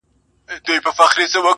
او موږ به ئې هم ملګري وو.